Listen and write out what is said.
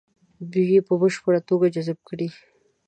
دوی یې په بشپړه توګه جذب کړي.